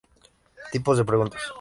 Tipos de preguntas.